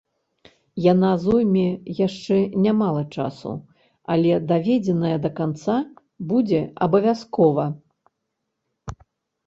Яна зойме яшчэ нямала часу, але даведзеная да канца будзе, абавязкова.